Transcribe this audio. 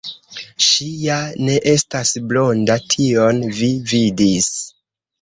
Ŝi ja ne estas blonda, tion vi vidis.